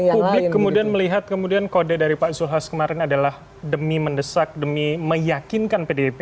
oke jadi kalau publik kemudian melihat kemudian kode dari pak zulhas kemarin adalah demi mendesak demi meyakinkan pdbp